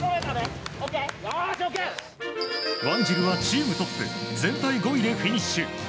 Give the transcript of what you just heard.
ワンジルはチームトップ全体５位でフィニッシュ。